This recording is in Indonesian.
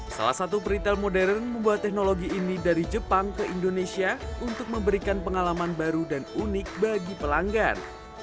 salah satu peritel modern membuat teknologi ini dari jepang ke indonesia untuk memberikan pengalaman baru dan unik bagi pelanggan